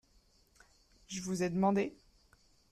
Je vous ai demandé ?